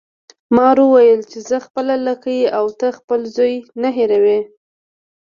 مار وویل چې زه خپله لکۍ او ته خپل زوی نه هیروي.